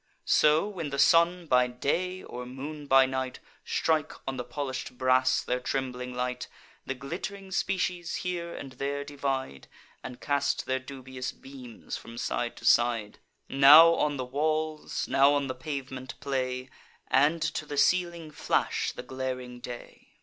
So, when the sun by day, or moon by night, Strike on the polish'd brass their trembling light, The glitt'ring species here and there divide, And cast their dubious beams from side to side; Now on the walls, now on the pavement play, And to the ceiling flash the glaring day.